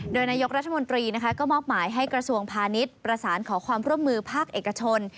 โดยนายกรัฐมนตรีก็มอบหมายให้กระทรวงพาณิชย์ประสานขอความร่วมมือภาคเอกชน